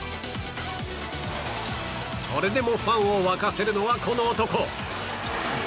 それでもファンを沸かせるのはこの男。